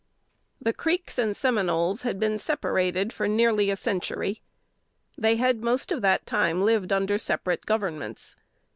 ] The Creeks and Seminoles had been separated for nearly a century. They had most of that time lived under separate governments.